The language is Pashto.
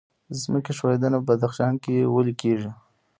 ځمکې ښویدنه په بدخشان کې ولې کیږي؟